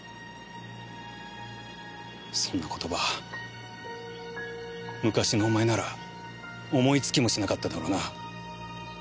そんな言葉昔のお前なら思いつきもしなかっただろうな。